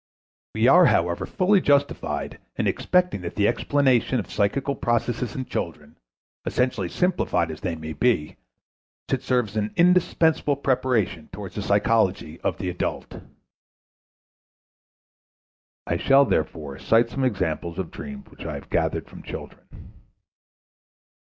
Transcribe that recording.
We are, however, fully justified in expecting that the explanation of psychical processes in children, essentially simplified as they may be, should serve as an indispensable preparation towards the psychology of the adult. I shall therefore cite some examples of dreams which I have gathered from children.